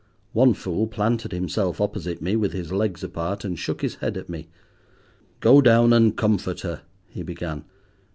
One fool planted himself opposite me with his legs apart, and shook his head at me. "Go down and comfort her," he began.